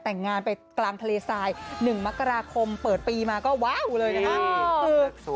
แต่งงานไปกลางทะเลทราย๑มกราคมเปิดปีมาก็ว้าวเลยนะคะ